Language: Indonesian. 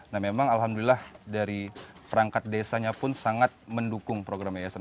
nah memang alhamdulillah dari perangkat desanya pun sangat mendukung program yayasan